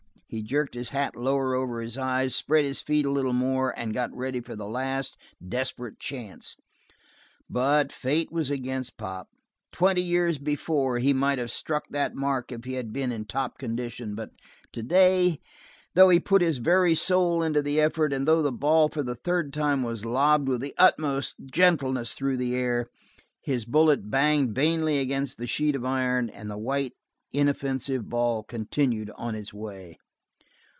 He jerked his hat lower over his eyes, spread his feet a little more, and got ready for the last desperate chance. But fate was against Pop. Twenty years before he might have struck that mark if he had been in top condition, but today, though he put his very soul into the effort, and though the ball for the third time was lobbed with the utmost gentleness through the air, his bullet banged vainly against the sheet of iron and the white, inoffensive ball continued on its way.